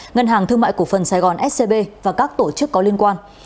ngân hàng thương mại cổ phần sài gòn scb và các tổ chức có liên quan